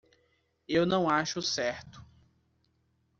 Eu não acho certo.